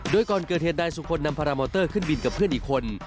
โดยก่อนเกิดเหตุนายสุคลนำพารามอเตอร์ขึ้นบินกับเพื่อนอีกคน